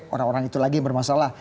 orang orang itu lagi yang bermasalah